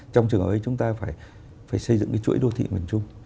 trong trường ấy chúng ta phải xây dựng cái chuỗi đô thị miền trung